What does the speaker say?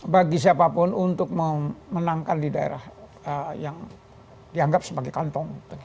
bagi siapapun untuk memenangkan di daerah yang dianggap sebagai kantong